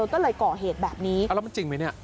ก็เลยก่อเหตุแบบนี้แล้วมันจริงไหมเนี่ย